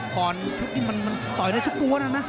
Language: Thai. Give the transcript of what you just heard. ๑๒๖พรชุดนี้มันต่อยได้ทุกปัวนะ